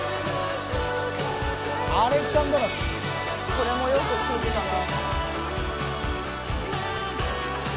これもよく聴いてたな。